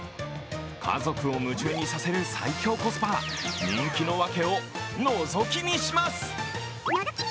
家族を夢中にさせる最強コスパ、人気のワケをのぞき見します。